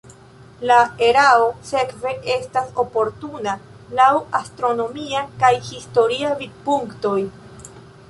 La erao sekve estas oportuna laŭ astronomia kaj historia vidpunktoj.